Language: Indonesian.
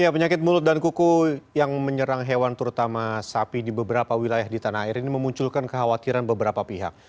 penyakit mulut dan kuku yang menyerang hewan terutama sapi di beberapa wilayah di tanah air ini memunculkan kekhawatiran beberapa pihak